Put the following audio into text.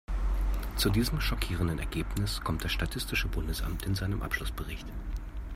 Zu diesem schockierenden Ergebnis kommt das statistische Bundesamt in seinem Abschlussbericht.